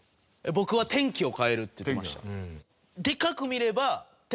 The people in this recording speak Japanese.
僕は天気を変えるって言ってました。